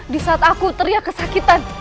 di saat aku teriak kesakitan